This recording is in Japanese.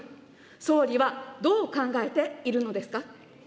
総理はどう考えているのですか。